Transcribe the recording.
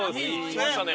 きましたね。